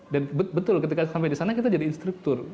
dan betul ketika sampai di sana kita jadi instruktur